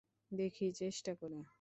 দেখি চেষ্টা করে।